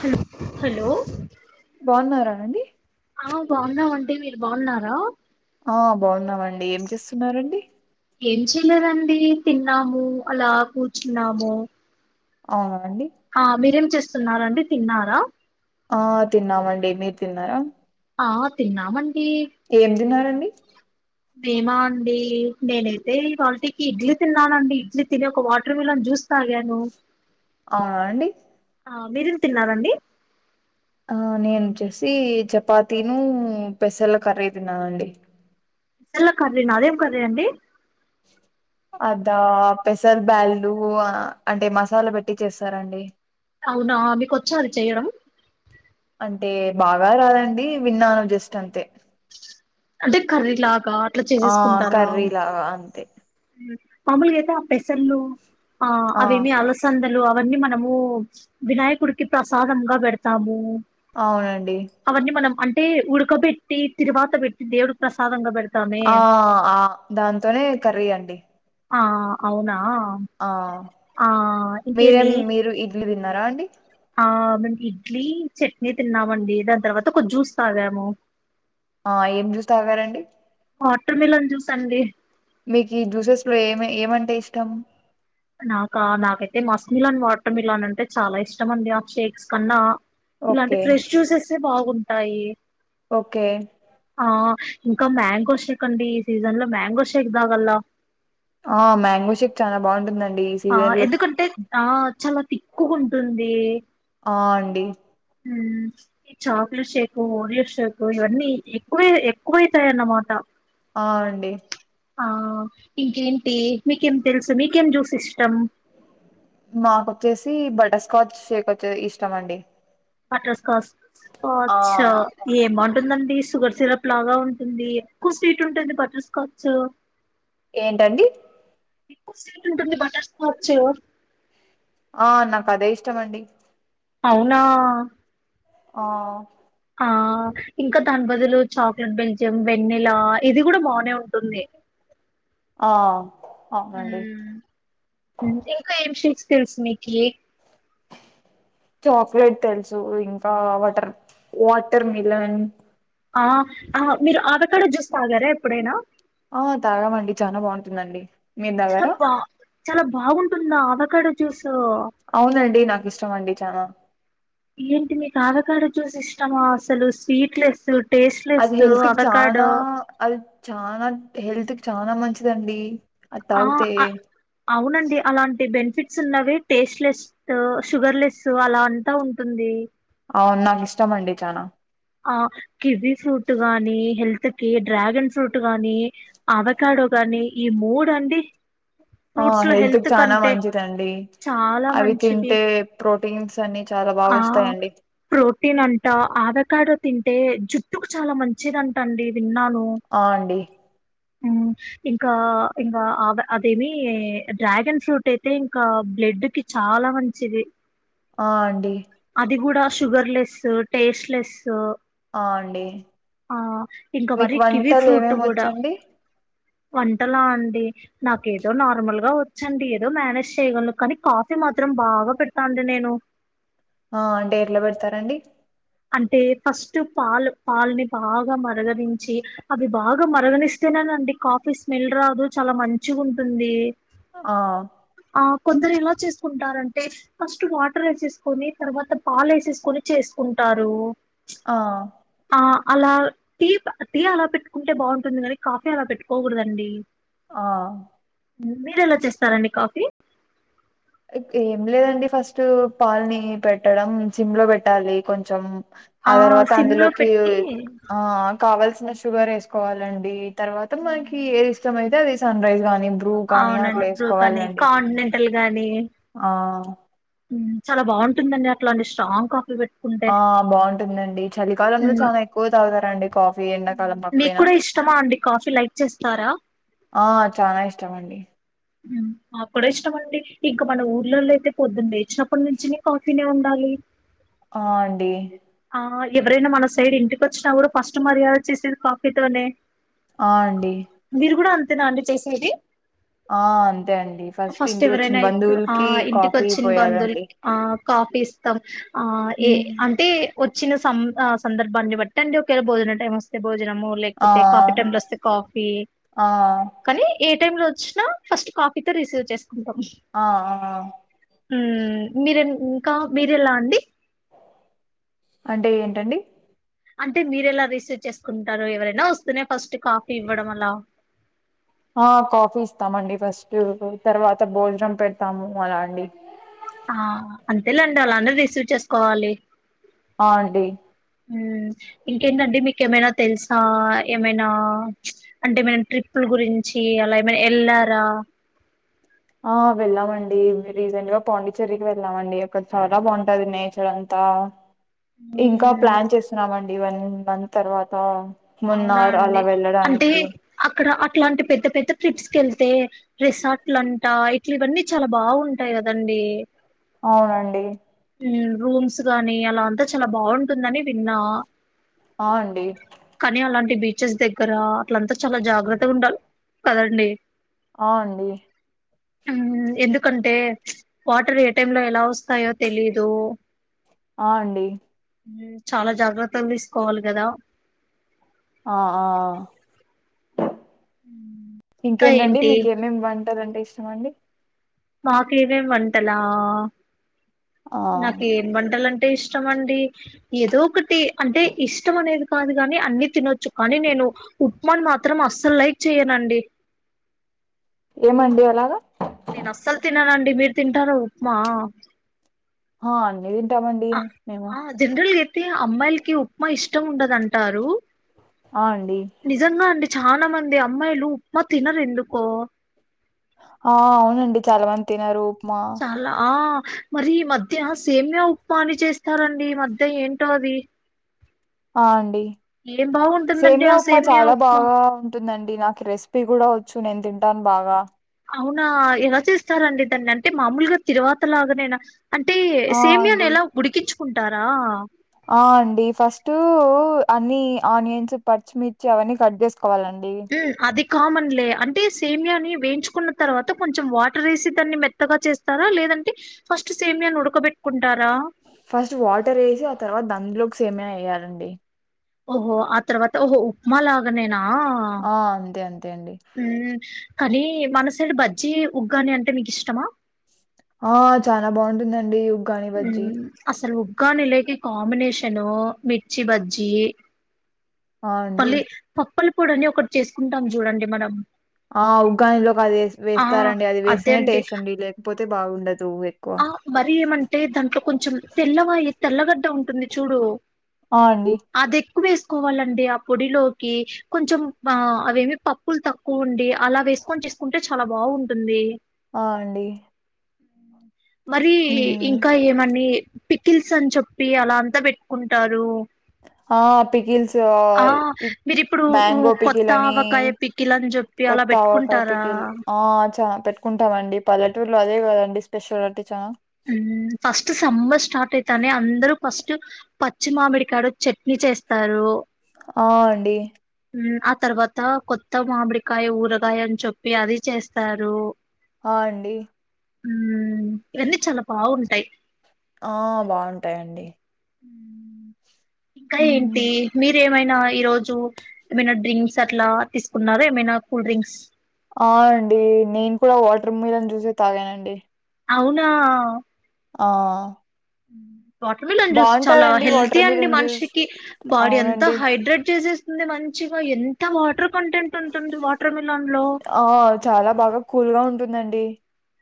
Hello hello బాగున్నారానండి ఆ బాగున్నామండి మీరు బాగున్నారా ఆ బాగున్నామండి ఏం చేస్తున్నారండి ఏం చెయలేదండి తిన్నాము అలా కూర్చున్నాము అ అండి ఆ మీరేమి చేస్తున్నరండి తిన్నారా ఆ తిన్నామండి మీరు తిన్నారా ఆ తిన్నా మండీ ఏం తిన్నారండి మీ మా అండి నేనైతే ఈ వాల్టీకి ఇడ్లీ తిన్నానండి ఇడ్లీ తిని ఒక వాటర్ మిలన్ జ్యూస్ తగాను అవునా అండి ఆ మీరేం తిన్నారండి ఆ నేను వచ్చేసి చపాతీను పెసర్ల కర్రీ తిన్నానండి ల్ కర్రీ నా అదేం కర్రీ అండి అద పెసర్ బ్యాళ్ళు అంటే మసాలా పెట్టి చేస్తారండి అవునా మీకు వచ్చా అది చెయడం అంటే బాగా రాదండి విన్నాను జస్ట్ అంతే అంటే కర్రీలాగా అట్లా ఆ చేసేసుకుంటారా కర్రీ లాగా అంతే మామూలుగా అయితే ఆ పెసర్లు ఆ అవన్నీ ఆలోచ సందలు అవన్నీ మనము వినాయకుడికి ప్రసాదంగా పెడతాము అవునండి అవన్ని మనం అంటే ఉడకబెట్టి తిరువాత పెట్టి దేవుడు ప్రసాదంగా పెడ్ ఆ ఆ దాంతోనే కర్రీ అండి ఆ అవునా ఆ ఆ మీరేం ఇంకేమి మీరు ఇడ్లీ తిన్నారా అండి ఆ మేము ఇడ్లీ చట్నీ తిన్నామండి దాని తర్వాత ఒక జ్యూస్ తాగాము ఆ ఏం జ్యూస్ తాగారండి వాటర్ మిలన్ జుసండి మీకు ఈ జ్యూసెస్ లో ఏమి ఏమంటే ఇష్టం నాకా నాకైతే మస్క్ మిలన్ వాటర్ మిలన్ అంటే చాలా ఇష్టమండి ఆ షేక్స్ కన్నా ఇలాంటి ఓకే ఫ్రెష్ జ్యూసెస్ే బాగుంటాయి ఓకే ఆ ఇంకా మ్యాంగో షేక్ అండి ఈ సీజన్ ల మ్యాంగో షేక్ తాగల్లా ఆ మ్యాంగో షేక్ చాలా బాగుంటుందండి ఆ సీజన్ లో ఎందుకంటే ఆ చాలా తిక్కుగుంటుంది ఆ అండి మ్ చాక్లెట్ షేక్ ఓరియ షేక్ ఇవన్నీ ఎక్కువ్ ఎక్కువైతాయన్నమాట అ అండి ఆ ఇంకేంటి మీకేం తెలుసు మీకేం జ్యూస్ ఇష్టం మాకొచ్చేసీ బటస్కాచ్ షేక్ ఒచ్చే ఇష్టం అండి బటర్ స్కాస్ ఓ ఆ అచ్చ ఏంబావుటుందండీ షుగర్ సిరప్ లాగా ఉంటుంది ఎక్కువ స్వీట్ ఉంటుంది బటర్ స్కాచు ఏంటండి కుంటుంది బటర్ స్కోచు ఆ నాకు అదే ఇష్టంమండి అవునా ఆ ఆ ఇంకా దాని బదులు చాక్లెట్ బెల్జియం వెన్నలా ఇది గూడా బానే ఉంటుంది ఆ అవునండి ఉమ్ ఇంకా ఏంషిన్ స్కిల్స్ నీ కి తోక్లెట్ తెల్సు ఇంకా వటర్ వాటర్ మిలన్ ఆ ఆ మీరు ఆవేకడో జ్యూస్ తాగారా ఎప్పుడైనా ఆ తాగామండి చాలా బావుంటుందండి అబ్బా చాలా బాగుంటుందా అవకాడో జూసు అవునండి నాకు ఇష్టం అండి చనా ఏంటి మీకు ఆవకాడ జ్యూస్ ఇష్టమా అసలు స్వీట్లెస్ అది హెల్త్ కి చనా అది చనా హెల్త్ కి చానా మంచిదండీ ఆ అ అవునండి అలాంటి బెనిఫిట్స్ ఉన్నవి టేస్ట్ లెస్ ఓ షుగర్లెస్ అలా అంతా ఉంటుంది అవున్ నాకు ఇష్టమండి చనా ఆ కివీ ఫ్రూట్ గానీ హెల్త్ కి డ్రాగన్ ఫ్రూట్ గానీ ఆవకాడో గానీ ఈ మూడు అండి ఆ ఫ్రూట్స్ లో హెల్త్క్ హెల్త్ చానా కంటే మంచిదండీ చాలా అవి మంచిది తింటే ప్రోటీన్స్ అన్ని చాలా బాగా ఆ ఓస్తాయండి ప్రోటీన్ అంట ఆవేకాడో తింటే జుట్టుకు చాలా మంచిదింట అండి విన్నాను ఆ అండి ఉమ్ ఇంకా ఇంకా అవ్ అవేమీ డ్రాగన్ ఫ్రూట్ అయితే ఇంకా బ్లడ్ కి చాలా మంచిది ఆ అండి అది గూడా షుగర్లెసూ టేస్ట్ లేసూ ఆ అండి ఆ ఇంకా మీకు మరి కివి వంటలు ఫ్రూట్ ఏమేమి గూడా వచ్చండి వంటలా అండి నాకు ఏదో నార్మల్గా ఒచ్చండి ఏదో మ్యానేజ్ చేగల్నూ కానీ కాఫీ మాత్రం బాగా పెడతాండి నేను ఆ అంటే ఎట్లా బెడ్తరండి అంటే ఫస్ట్ పాలు పాల్ని బాగా మరగనించీ అవి బాగా మరగానిస్తేనేనండి కాఫీ స్మెల్ రాదు చాలా మంచి ఉంటుంది ఆ ఆ కొందరు ఎలా చేస్కుంటారంటే ఫస్ట్ వాటర్ ఎసేస్కొని తర్వాత పాల్ ఎసేస్కొని చేస్కుంటారూ ఆ ఆ అలా టీప్ టీ అలా పెట్కుంటే బావుంటుంది గానీ కాఫీ అలా పెట్కోకూడదండి ఆ మీరేలా చేస్తారండి కాఫీ ఏం లేదండి ఫస్ట్ పాల్ని పెట్టడం సిమ్ లో పెట్టాలి కొంచెం ఆ తర్వాత సిమ్ లో అందులోకి పెట్టి ఆ కావల్సిన షుగర్ వేసుకోవాలండి తర్వాత మనకి ఏది ఇష్టమైతే అది సన్ రైజ్ గాని అవునండి ఇప్పుడు కానీ కాండనెంటల్ గాని ఆ ఉ చాలా బాగుంటుందండి అట్లాంటి స్ట్రాంగ్ కాఫీ పె ఆ బాగుంటుందండి చలికాలంలో హ్మ్. చానా ఎక్కువే తాగుతారండి కాఫీ ఎండాకాలం మీకు కాకపోయినా కూడా ఇష్టమా అండి కాఫీ లైక్ చేస్తారా ఆ చానా ఇష్టమండి నాక్కూడా ఇష్టమండి ఇంకా మన ఊర్లలో అయితే పొద్దుంలె చిన్నప్పుడు నుంచినే కాఫీనే ఉండాలి ఆ అండి ఆ ఎవరైనా మన సైడ్ ఇంటికి వచ్చినా కూడా ఫస్ట్ మర్యాద చేసేది కాఫీతోనే అ అండి మీరు కూడా అంతేనా అండి చేసేది ఆ అంతే అండి ఫస్ట్ ఇంటికి వచ్చిన ఎవరైనా ఇప్పుడు ఆ బంధువులకి ఇంటికి కాఫీ వచ్చిన పోయాలండి బంధువులకి ఆ కాఫీ ఇస్తాం ఆ ఏ ఉమ్. అంటే వచ్చిన సం సందర్భాన్ని బట్టి అండి ఒకవేళ భోజనం టైం లో వస్తే భోజనము ఆ లేకపోతే కాఫీ టైం వస్తే కాఫీ ఆ కానీ ఏ టైమ్ లో వచ్చినా ఫస్ట్ కాఫీతో రిసీవ్ చేసుకుంటాం ఆ హ ఉ మీర ఇంకా మీరె ఎలా అండి అంటే ఏంటండి అంటే మీర ఎలా రిసీవ్ చేసుకుంటారు ఎవరైనా వస్తనే ఫస్ట్ కాఫీ ఇవ్వడం అలా ఆ కాఫీ ఇస్తామండి ఫస్ట్ తర్వాత భోజనం పెడతాము అలా అండి ఆ అంతేలేండి అలానే రిసీవ్ చేసుకోవాలి అ అండి ఇంకేంటండి మీకేమైనా తెలుసా ఏమైనా అంటే మ ట్రిప్పుల గురించి అలా ఏమైనా వెళ్ళారా ఆ వెళ్ళామండి రీసెంట్ గా పాండిచ్చేరికి వెళ్ళామండి అక్కడ చాలా బాగుంటది నేచర్ అంత త ఇంకా మ్మ్ ప్లాన్ చేస్తున్నామండి వన్ మంత్ తర్వాత అవునా మన్నారు అలా అండి అంటే వెళ్ళడానికి అక్కడ అట్లాంటి పెద్ద పెద్ద ట్రిప్స్ వెళ్తే రిసార్ట్లుంటా ఇట్లువన్నీ చాలా బాగుంటాయి కదండి అవునండి ఊ రూమ్స్ గాని అలా అంతా చాలా బాగుంటుందని విన్నా అవునండి కానీ అలాంటి బీచెస్ దగ్గర అట్లంతా చాలా జాగ్రత్తగా ఉండాలి కదండి అవునండి ఉ ఎందుకంటే వాటర్ ఏ టైంలో ఎలా వస్తాయో తెలీదు ఆ అండి చాలా జాగ్రత్తలు తీసుకోవాలి కదా ఆ ఆ ఇంకా ఇంకేంటండి ఏంటి మీక్ ఏమేమి వంటలంటే ఇష్టమండి మాకేమ్ వంటలా ఆ నాకు వంటలంటే ఇష్టం అండి ఏదో ఒకటి అంటే ఇష్టం అనేది కాదు గాని అన్ని తినొచ్చు కానీ నేను ఉప్మాన్ మాత్రం అస్సల్ లైక్ చెయ్యను అండి ఏమ్ అండి అలాగ నేను అస్సల్ తిిననండి మీరు తింటారా ఉప్మా హా అండి అన్నీ తింటామండి మేము జన్రల్గా అయితే అమ్మాయిలకి ఉప్మా ఇష్టం ఉండదు అంటారు ఆ అండి నిజంగా అండి చాన మంది అమ్మాయిలు ఉప్మా తినరు ఎందుకో ఆ అవునండి చాలా మంది తిినారు చాల ఆ మరి ఈ మధ్య సేమ్య ఉప్మా అని చేస్తారంండి ఈ మధ్య ఏంటో అది ఆ అండి ఏం బాగుంటుందండి సేమియా ఆ ఉప్మా చాలా ఉప్మా బాగా ఉంటుందండి నాకు రెసిపీ కూడా వచ్చు నేను తింటాను బాగా అవునా ఎలా చేస్తారంండి దాన్ని అంటే మామూల్గా తిరువాత లాగనైనా అంటే ఆ సేమ్యని అండి ఎలా ఉడికించుకుంటారా ఆ అండి ఫస్ట్ అన్ని ఆనియన్స్ పచ్చిమిర్చి అవన్నీ కట్ చేసుకోవాలండి అది కామన్లే అంటే సేమియాని వేయించుకున్న తర్వాత కొంచెం వాటర్ వేసి దాన్ని మె త్తగా చేస్తార లేదంటే ఫస్ట్ సేమ్యాని ఉడకబెట్టుకుంటారా ఫస్ట్ వాటర్ వేసి ఆ తర్వాత దాంట్లోకి సేమ్య వేయ్యాలండి ఓహో ఆ తర్వాత ఓహో ఉప్మా లాగనేనా ఆ అంతే అంతే అండి కానీ మన సైడ్ బజ్జి ఉగ్గాని అంటే మీకు ఇష్టమా ఆ చాలా బాగుంటుందండి ఉగ్గాని ఉ బజ్జి అసలు ఉగ్గానిలేకి కాంబినేషను మిర్చి బజ్జి ఆ అండి పల్లి పప్పలి పొడి అని ఒకటి చేసుకుంటాం చూడండి మనం ఆ ఉగ్గానిలోకి అది ఆ వేస్తారంండి అది వేస్తేనే టేస్ట్ అండి లేకపోతే బాగుండదు ఎక్కువ ఆ మరి ఏమంటే దాంట్లో కొంచెం తెల్లవాయి తెల్లగడ్డ ఉంటుంది చూడు అ అండి ఉక్కువ వేసుకోవాలండి ఆ పొడిలోకి కొంచెం ఆ అవేమి పప్పులు తక్కువ ఉండి అలా వేసుకొని చేసుకుంటే చాలా బాగుంటుంది ఆ అండి మరి మ్మ్ ఇంకా ఏమని పికిల్స్ అని చెప్పి అలా అంతా పెట్టుకుంటారు ఆ పకిిల్స్ ఆ ఇ మీరిప్పుడు మ్యాంగో కొత్త పికిల్ అని ఆవకాయ పికిల్ అని చెప్పి అలా కొత్త ఆవకాయ పెట్టుకుంటారా పికిల్ ఆ చాన పెట్టుకుంటాం అండి పల్లెటూరులో అదే కదండి స్పెషల్ అంటే చాలా ఫస్ట్ సంబ స్టార్ట్ అయితానే అందరుూ ఫస్ట్ పచ్చి మామిడికాడు చట్నీ చేస్తారు ఆ అండి ఆ తర్వాత కొత్త మామిడికాయ ఊరగాయ అని చెప్పి అది చేస్తారు ఆ అండి ఉ ఇవన్నీ చాల బాగుంటాయి ఆ బాగుంటాయ్ అండి ఇంకా ఏంటి మీరు ఏమైనా ఈ రోజు ఏమైనా డ్రింక్స్ అట్లా తిస్కున్నార ఏమైనా కూల్ డ్రింక్స్ ఆ అండి నేన్ కూడా వాటర్ మిల్లన్ జ్యూసే తాగానండి అవునా ఆ వాటర్ మిల్లన్ జ్యుస్ చాలా బాగుంటదండి హెల్తీ వాటర్ అండి మిలన్ జ్యూస్ మన్షికి బాడీ అంతా అవునండి హైడ్రేడ్ చేసేస్ దే మంచిగా ఎంత వాటర్ కంటెంటుంటుంది వాటర్ మిలన్ లో ఆ చాలా బాగా కూల్గా ఉంటుందండి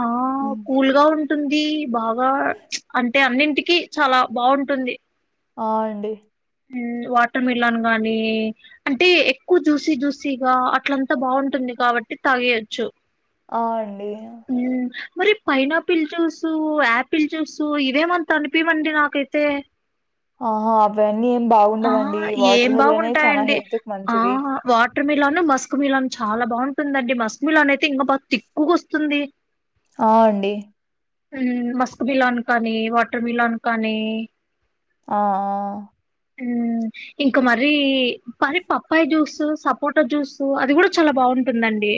ఆ హ్మ్. కూల్గా ఉన్ ఉంటుంది బాగా అంటే అన్నింటికి చాలా బావుంటుంది ఆయండి హూ వాటర్ మిల్లన్ గానీ అంటే ఎక్కువ జూసీ జూసీగా అట్లంతా బావుంటుంది కాబట్టి తాగేయొచ్చు ఆ అండీ ఊ మరి పైనాపిల్ జ్యూసు యాపిల్ జ్యూసు ఇవేమంత అనిపీవండి నాకైతే ఓహో అవన్నీ ఏం ఆ బాగుండవండి వాట్ర ఏం మిల్లనే చానా బాగుంటాయండి హెల్త్కు ఆ మంచిది వాటర్ మిలాన్ మస్క్ మిలాన్ చాలా బావుంటుందండి మస్క్ మిలాన్ అయితే ఇంకా బాగా తిక్కుగొస్తుంది ఆ అండి ఊ మస్క్ మిలాన్ కానీ వాటర్ మిలాన్ కానీ ఆ ఆ ఊ ఇంకో మరీ పారి పప్పాయ జ్యూసు సపోటా జ్యూసు అది గుడా చాలా బావుంటుందండి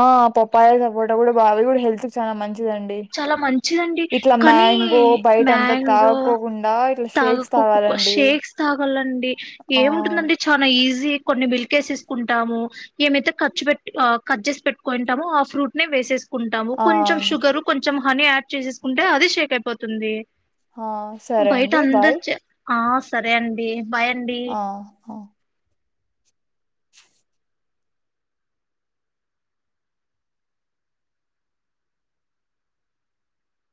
ఆ పొప్పాయ సపోట గుడ బాగ గుడా హెల్త్ కు చాలా మంచిదండి చాలా మంచిదండి ఇట్లా కానీ మ్యాంగో బయటంతా మ్యాంగో తాగకోకుండా ఇట్లా తాగ షేక్స్ కుకుక్కు తాగాలండి. షేక్స్ తాగలండి ఆ! ఏముంటుందండి చానా ఈజీ కొన్ని బిల్కేస్ ఇస్కుంటాము ఏమైతే ఖర్చు బెట్టి ఆ కజ్జేస్ పెట్ట్ కోయింటామో ఆ ఫ్రూట్ నే వేసేస్ కుంటాము ఆ! కొంచెం షుగరు కొంచెం హనీ యాడ్ చేసేస్కుంటే అది షేక్ అయిపోతుంది ఆ! సరే బయట అండి. అందర్ బాయ్. చే హా సరే అండి బాయ్ అండి. ఆహా